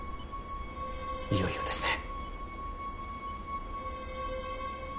いよいよですね。